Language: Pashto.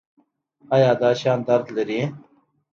ایا دا شیان درد لري؟